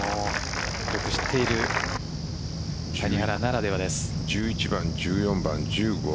よく知っている谷原ならではです。